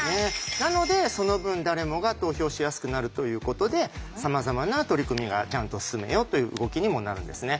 なのでその分誰もが投票しやすくなるということでさまざまな取り組みがちゃんと進めようという動きにもなるんですね。